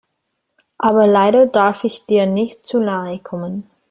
Aber leider darf ich dir nicht zu nahe kommen.